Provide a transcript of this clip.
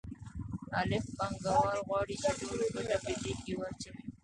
الف پانګوال غواړي چې ټوله ګټه په جېب کې واچوي